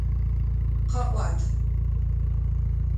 Къэӏуат!